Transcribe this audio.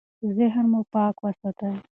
ذهن مو پاک وساتئ.